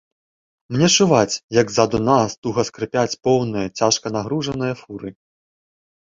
Мне чуваць, як ззаду нас туга скрыпаюць поўныя, цяжка нагружаныя фуры.